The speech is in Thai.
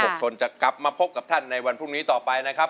จะกลับมาพบกับท่านในวันพรุ่งนี้ต่อไปนะครับ